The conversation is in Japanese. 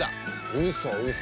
うそうそ。